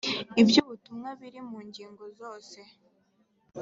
iby ubutumwa biri mu ngingo zose